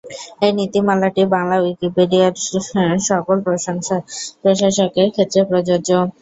এই নীতিমালাটি বাংলা উইকিপিডিয়ার সকল প্রশাসকের ক্ষেত্রে প্রযোজ্য।